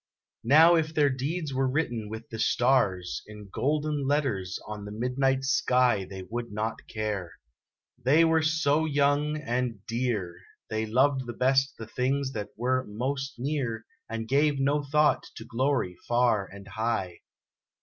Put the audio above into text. Now if their deeds were written with the stars, In golden letters on the midnight sky They would not care. They were so young, and dear, They loved the best the things that were most near, And gave no thought to glory far and high.